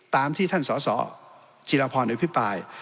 ตามที่ท่านสสจิรพรอภิปราย